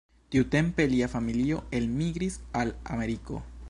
Tiutempe lia familio elmigris al Ameriko.